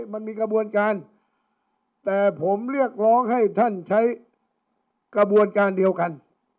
มันมีกระบวนการแต่ผมเรียกร้องให้ท่านใช้กระบวนการเดียวกัน